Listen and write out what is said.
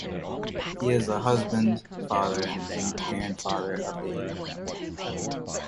He is a husband, father, and grandfather of eight.